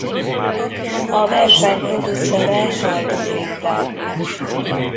A verseny producere Hajdú Péter.